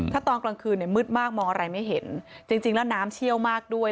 ถ้าตอนกลางคืนเนี่ยมืดมากมองอะไรไม่เห็นจริงแล้วน้ำเชี่ยวมากด้วย